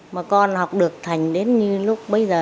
mà con học được thành đến lúc bây giờ